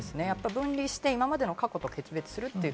分離して今までの過去と決別するという。